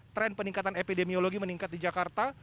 tren peningkatan epidemiologi meningkat di jakarta